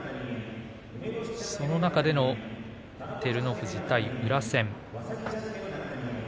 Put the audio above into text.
その中での照ノ富士対宇良戦。